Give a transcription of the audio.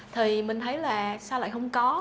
thì mình thấy là sao lại không có